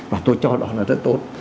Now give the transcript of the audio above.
và tôi cho đó là rất tốt